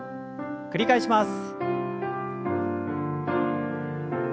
繰り返します。